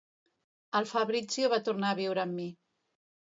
El Fabrizio va tornar a viure amb mi.